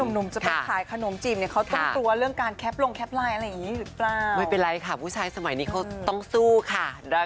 หนุ่มจะไปขายขนมจีบเนี่ยเขาต้องกลัวเรื่องการแคปลงแคปไลน์อะไรอย่างนี้หรือเปล่าไม่เป็นไรค่ะผู้ชายสมัยนี้เขาต้องสู้ค่ะ